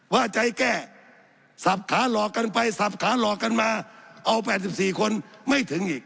ว่าใจแก้สับขาหลอกกันไปสับขาหลอกกันมาเอา๘๔คนไม่ถึงอีก